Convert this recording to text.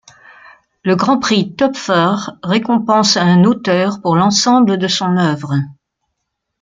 Le Grand Prix Töpffer récompense un auteur pour l'ensemble de son œuvre.